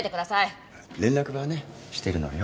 連絡はねしてるのよ。